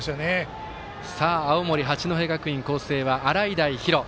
青森、八戸学院光星は洗平比呂。